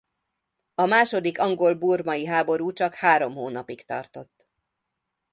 A második angol-burmai háború csak három hónapig tartott.